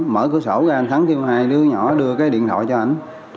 mở cửa sổ ra anh thắng kêu hai đứa nhỏ đưa cái điện thoại cho ảnh